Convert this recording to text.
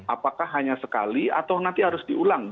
apakah hanya sekali atau nanti harus diulang